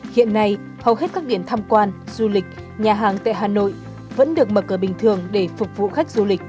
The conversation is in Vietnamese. hiện nay hầu hết các điểm tham quan du lịch nhà hàng tại hà nội vẫn được mở cửa bình thường để phục vụ khách du lịch